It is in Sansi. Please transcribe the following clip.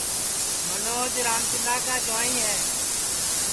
منوج رامچندا کا جُوائیں ہے